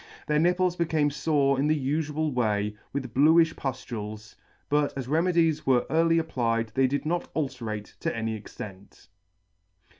Their nipples became fore in the ufual way, with bluifli puftules ; but as remedies were early applied they did not ulcerate to any extent.